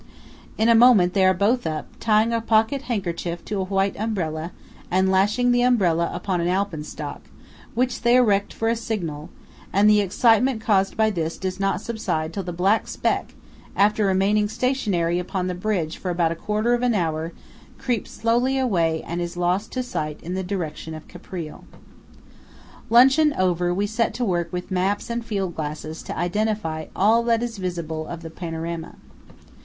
In a moment they are both up, tying a pocket handkerchief to a white umbrella, and lashing the umbrella upon an Alpenstock, which they erect for a signal; and the excitement caused by this does not subside till the black speck, after remaining stationary upon the bridge for about a quarter of an hour, creeps slowly away and is lost to sight in the direction of Caprile. Luncheon over, we set to work with maps and field glasses, to identify all that is visible of the panorama.